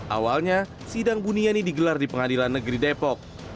awalnya sidang buniani digelar di pengadilan negeri depok